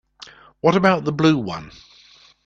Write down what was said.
What about the blue one?